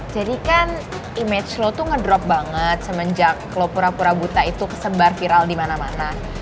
jadi kan image lo tuh ngedrop banget semenjak lo pura pura buta itu kesebar viral di mana mana